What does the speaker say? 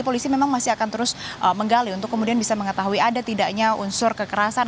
polisi memang masih akan terus menggali untuk kemudian bisa mengetahui ada tidaknya unsur kekerasan